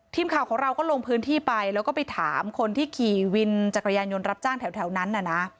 ทีมข่าวของเราก็ลงพื้นที่ไปแล้วก็ไปถามคนที่ขี่วินจักรยานยนต์รับจ้างแถวนั้นน่ะนะ